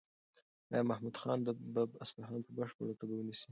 ایا محمود خان به اصفهان په بشپړه توګه ونیسي؟